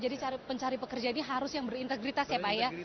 jadi pencari pekerja ini harus yang berintegritas ya pak ya